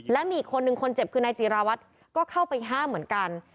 และมีอีกคนนึงคนเจ็บคือนายจีราวัตรก็เข้าไปห้ามเหมือนกัน